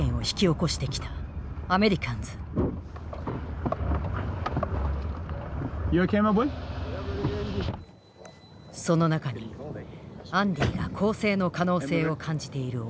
その中にアンディが更生の可能性を感じている男がいた。